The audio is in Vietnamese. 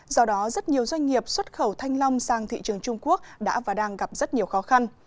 do đó rất nhiều doanh nghiệp xuất khẩu thanh long sang thị trường trung quốc đã và đang gặp rất nhiều khó khăn